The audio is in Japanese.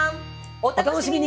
お楽しみに！